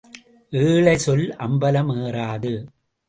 ஏழை சொல் அம்பலம் ஏறாது.